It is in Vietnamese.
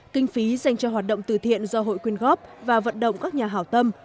kinh phí dành cho hoạt động từ thiện do hội quyên góp và vận động các nhà hảo tâm